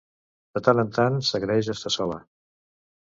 De tant en tant s'agraeix estar sola.